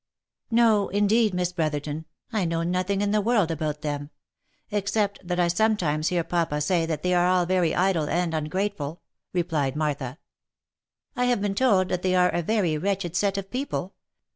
" No, indeed, Miss Brotherton, I know nothing in the world about them ; except that I sometimes hear papa say that they are all very idle and ungrateful," replied Martha. OF MICHAEL ARMSTRONG. 101 " I have been told that they are a very wretched set of people.